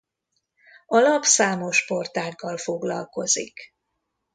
A lap számos sportággal foglalkozik.